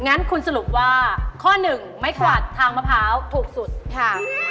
งั้นคุณสรุปว่าข้อหนึ่งไม้กวาดทางมะพร้าวถูกสุดค่ะ